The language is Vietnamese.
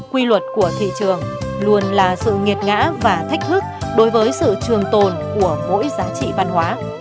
quy luật của thị trường luôn là sự nghiệt ngã và thách thức đối với sự trường tồn của mỗi giá trị văn hóa